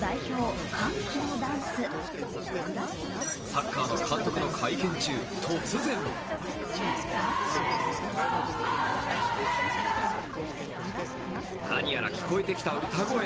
サッカーの監督の会見中、突然何やら聞こえてきた歌声。